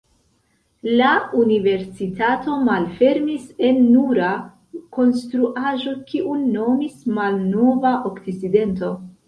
La universitato malfermis en nura konstruaĵo, kiun nomis Malnova Okcidento.